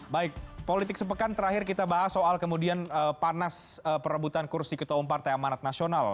baik politik sepekan terakhir kita bahas soal kemudian panas perebutan kursi ketua umum partai amanat nasional